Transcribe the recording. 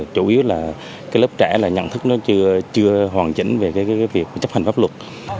chủ yếu là lớp trẻ nhận thức nó chưa hoàn chỉnh về việc chấp hành pháp luật